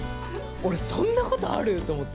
俺そんなことある！？と思って。